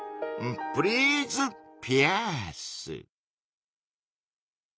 プリーズピアース。